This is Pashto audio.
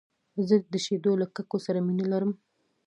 زه د شیدو له ککو سره مینه لرم .